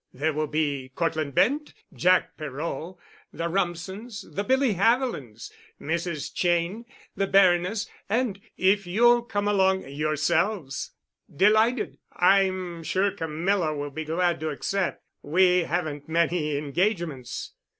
There will be Cortland Bent, Jack Perot, the Rumsens, the Billy Havilands, Mrs. Cheyne, the Baroness and—if you'll come along—yourselves." "Delighted. I'm sure Camilla will be glad to accept. We haven't many engagements."